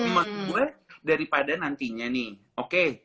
gue daripada nantinya nih oke